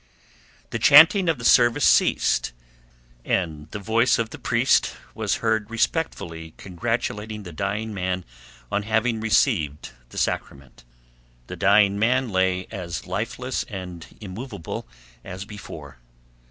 The chanting of the service ceased, and the voice of the priest was heard respectfully congratulating the dying man on having received the sacrament. The dying man lay as lifeless and immovable as before.